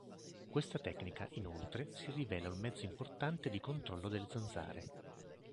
Questa tecnica, inoltre, si rivela un mezzo importante di controllo delle zanzare.